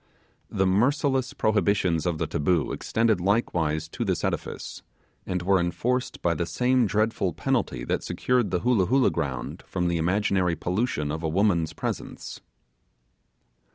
The merciless prohibitions of the taboo extended likewise to this edifice, and were enforced by the same dreadful penalty that secured the Hoolah Hoolah ground from the imaginary pollution of a woman's presence.